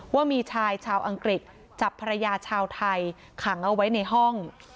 ว่ามีชายชาวอังกฤษจับภรรยาชาวไทยขังเอาไว้ในห้อง